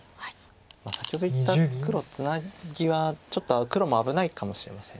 先ほど言った黒ツナギはちょっと黒も危ないかもしれません。